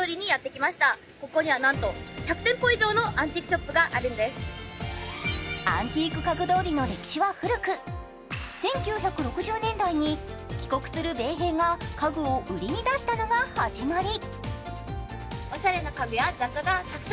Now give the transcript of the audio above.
そのため、こんな場所もアンティーク家具通りの歴史は古く１９６０年代に帰国する米兵が家具を売りに出したのが始まり。